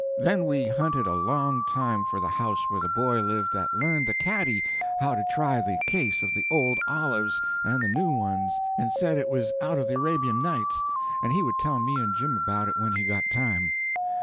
Then we hunted a long time for the house where the boy lived that learned the cadi how to try the case of the old olives and the new ones, and said it was out of the Arabian Nights, and he would tell me and Jim about it when he got time.